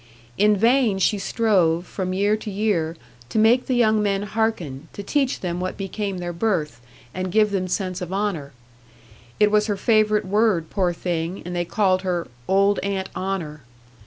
In vain she strove, from year to year, to make the young men hearken, to teach them what became their birth, and give them sense of honour. It was her favourite word, poor thing! and they called her "Old Aunt Honour."